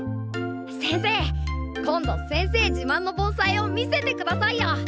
先生今度先生自まんの盆栽を見せてくださいよ。